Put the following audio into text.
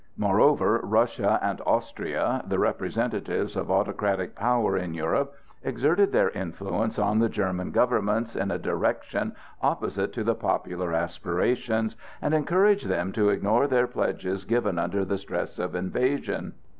Moreover Russia and Austria, the representatives of autocratic power in Europe, exerted their influence on the German governments in a direction opposite to the popular aspirations, and encouraged them to ignore their pledges given under the stress of invasion.